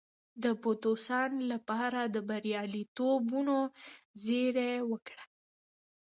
د بوتسوانا لپاره د بریالیتوبونو زړي وکرل.